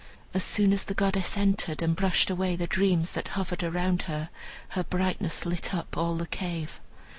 As soon as the goddess entered and brushed away the dreams that hovered around her, her brightness lit up all the cave.